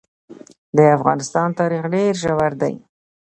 د افغانستان تاریخ ډېر ژور دی.